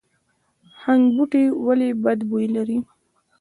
هنګ بوټی ولې بد بوی لري؟